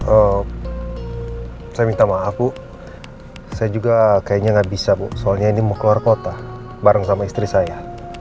oh saya minta maaf bu saya juga kayaknya nggak bisa bu soalnya ini mau keluar kota bareng sama istri saya